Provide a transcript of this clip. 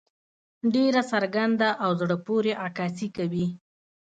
ډېره څرګنده او زړۀ پورې عکاسي کوي.